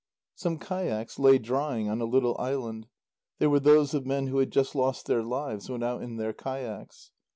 Some kayaks lay drying on a little island; they were those of men who had just lost their lives when out in their kayaks.